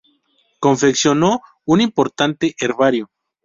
Confeccionó un importante herbario.